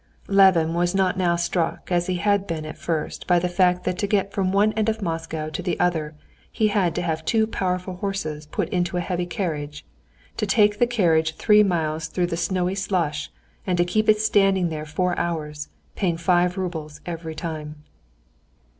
Levin was not by now struck as he had been at first by the fact that to get from one end of Moscow to the other he had to have two powerful horses put into a heavy carriage, to take the carriage three miles through the snowy slush and to keep it standing there four hours, paying five roubles every time.